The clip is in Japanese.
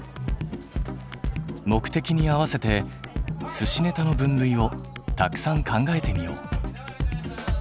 目的に合わせてすしネタの分類をたくさん考えてみよう。